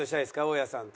大家さんと。